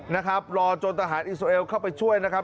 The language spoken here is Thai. นะครับรอจนทหารอิสราเอลเข้าไปช่วยนะครับ